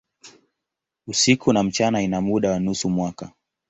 Usiku na mchana ina muda wa nusu mwaka.